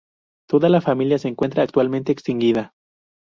Toda la familia se encuentra actualmente extinguida.